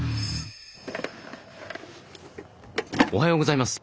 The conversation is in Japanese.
おはようございます！